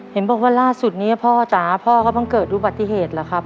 เห็นบอกว่าร่าสุดเนี้ยพ่อจ๋าพ่อก็เพิ่งเกิดดูปฏิเหตุล่ะครับ